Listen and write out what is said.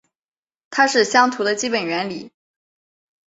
它是相图的基本原理。